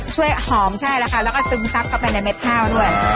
ช่วยหอมใช่แล้วก็ซึมซับเข้าไปในเม็ดข้าวด้วย